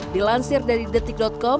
dilansir dari detik com